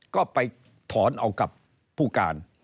ก็ไปถอนเอากับผู้การ